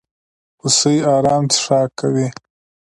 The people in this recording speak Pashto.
هوسۍ ارام څښاک کوي.